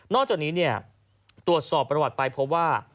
นอกจากนี้เนี่ยตรวจสอบประวัติไปเพราะว่า